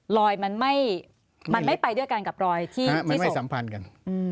ลอยมันไม่ไปด้วยกันกับลอยที่ส่งมันไม่สัมพันธ์กัน